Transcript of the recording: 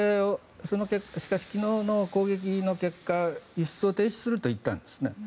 しかし昨日の攻撃の結果輸出を停止するといったんです。